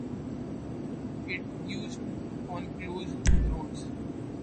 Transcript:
It used on closed roads.